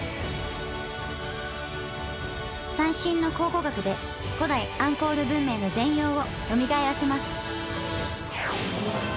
最新の考古学で古代アンコール文明の全容をよみがえらせます